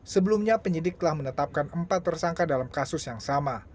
sebelumnya penyidik telah menetapkan empat tersangka dalam kasus yang sama